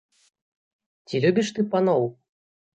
Ці любіш ты паноў?